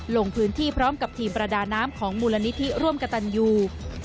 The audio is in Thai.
ลงพื้นที่พร้อมกับทีมประดาน้ำของมูลนิธิร่วมกับตันยู